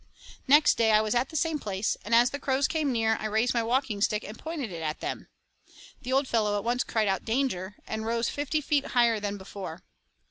Next day I was at the same place, and as the crows came near I raised my walking stick and pointed it at them. The old fellow at once cried out 'Danger,' and rose fifty feet higher than before.